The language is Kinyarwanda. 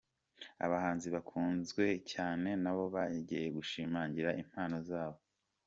Abahanzi bakunzwe cyane na bo bongeye gushimangira impano zabo.